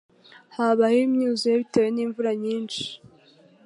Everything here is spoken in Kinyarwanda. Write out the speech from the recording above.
Habayeho imyuzure bitewe nimvura nyinshi.